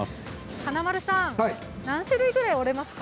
華丸さん何種類ぐらい折れますか。